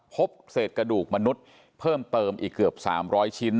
พบเศษกระดูกมนุษย์เพิ่มเติมอีกเกือบ๓๐๐ชิ้น